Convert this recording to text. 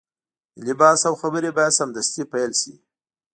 ملي بحث او خبرې بايد سمدستي پيل شي.